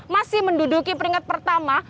masih menduduki peringkat pertama